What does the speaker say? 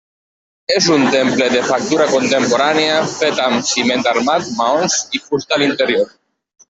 És un temple de factura contemporània, fet amb ciment armat, maons i fusta, a l'interior.